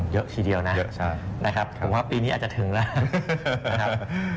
เยอะทีเดียวนะผมว่าปีนี้อาจจะถึงแล้ว